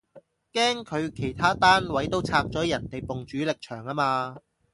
驚佢其他單位都拆咗人哋埲主力牆吖嘛